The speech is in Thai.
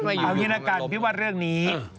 เอางี้ละกันพี่ว่าเรื่องนี้